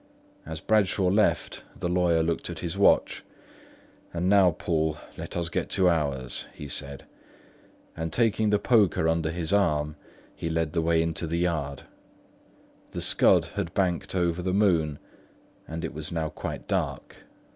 As Bradshaw left, the lawyer looked at his watch. "And now, Poole, let us get to ours," he said; and taking the poker under his arm, led the way into the yard. The scud had banked over the moon, and it was now quite dark.